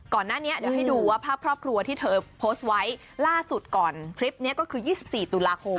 ก่อนหน้านี้เดี๋ยวให้ดูว่าภาพครอบครัวที่เธอโพสต์ไว้ล่าสุดก่อนคลิปนี้ก็คือ๒๔ตุลาคม